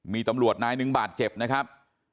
มีตำรวจนายหนึ่งบาดเจ็บนะครับ